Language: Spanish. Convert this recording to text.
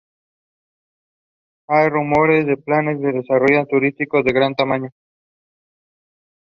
Hay rumores de planes de desarrollos turísticos de gran tamaño.